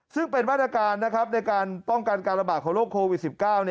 ซึ่งเป็นมาตรการในการป้องกันการระบาดของโรคโควิด๑๙